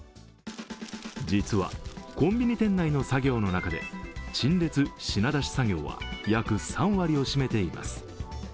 実はコンビニ店内の作業の中で陳列・品出し作業は約３割を占めています。